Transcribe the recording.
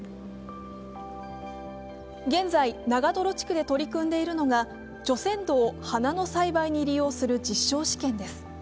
現在、長泥地区で取り組んでいるのが除染土を花の栽培に利用する実証試験です。